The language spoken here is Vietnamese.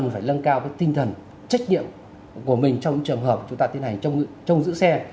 và trách nhiệm của mình trong trường hợp chúng ta tiến hành trong giữ xe